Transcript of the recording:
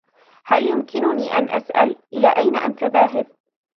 هل يمكنني أن أسأل, إلى أين أنتَ ذاهب؟